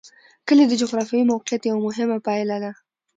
کلي د جغرافیایي موقیعت یوه مهمه پایله ده.